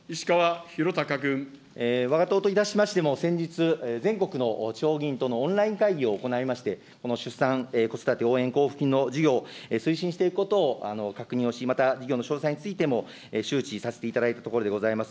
わが党といたしましても、先日、全国の地方議員とのオンライン会議を行いまして、この出産子育て応援交付金の事業を推進していくことを確認をし、また事業の詳細についても、周知させていただいたところでございます。